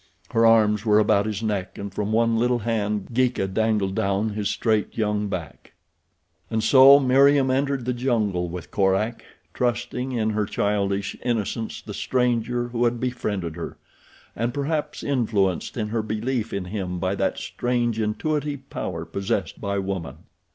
Her arms were about his neck and from one little hand Geeka dangled down his straight young back. And so Meriem entered the jungle with Korak, trusting, in her childish innocence, the stranger who had befriended her, and perhaps influenced in her belief in him by that strange intuitive power possessed by woman.